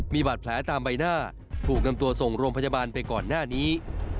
มีบาดแผลตามใบหน้าถูกนำตัวส่งโรงพยาบาลไปก่อนหน้านี้